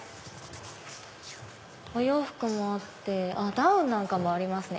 お洋服もあってダウンなんかもありますね。